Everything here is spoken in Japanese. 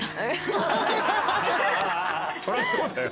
そりゃそうだよ。